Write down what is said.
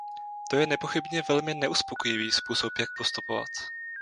To je nepochybně velmi neuspokojivý způsob, jak postupovat.